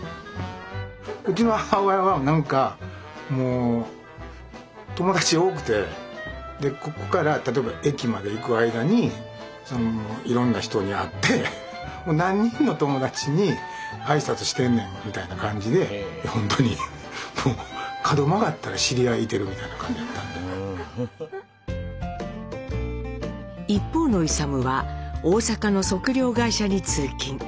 うちの母親は何かもう友達多くてここから例えば駅まで行く間にいろんな人に会って何人の友達に挨拶してんねんみたいな感じでほんとにもう一方の勇は大阪の測量会社に通勤。